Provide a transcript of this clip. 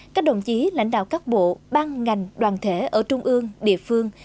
các đồng chí lãnh đạo các bộ ban ngành đoàn thể ở trung ương địa phương